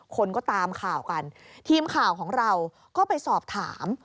คนก็ตามข่าวกันทีมข่าวของเราก็ไปสอบถาม